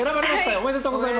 おめでとうございます。